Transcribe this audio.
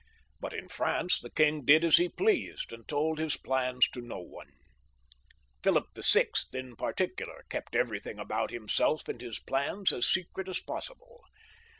But in France the king did as he pleased, and told his plans to no one. Philip VI., in particular, kept everything about himself and his plans as secret as possible.